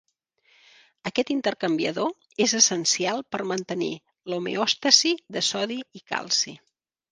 Aquest intercanviador és essencial per mantenir l'homeòstasi de sodi i calci.